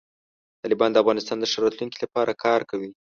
طالبان د افغانستان د ښه راتلونکي لپاره کار کوي.